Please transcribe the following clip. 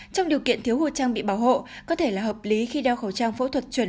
trong điều kiện thiếu hụt trang bị bảo hộ có thể là hợp lý khi đeo khẩu trang phẫu thuật chuẩn